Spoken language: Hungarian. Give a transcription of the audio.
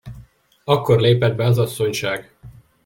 Akkor lépett be az asszonyság.